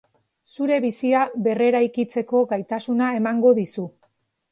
Zure bizia berreraikitzeko gaitasuna emango dizu.